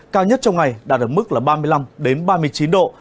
cao nhất trong ngày đạt ở mức là ba mươi năm ba mươi chín độ